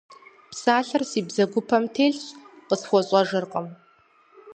Псалъэр си бзэгупэм телъщ, къысхуэщӏэжыркъым.